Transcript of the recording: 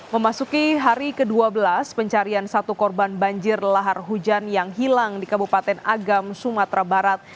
memasuki hari ke dua belas pencarian satu korban banjir lahar hujan yang hilang di kabupaten agam sumatera barat